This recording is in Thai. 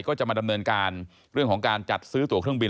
ก็จะมาดำเนินการเรื่องของการจัดซื้อตัวเครื่องบิน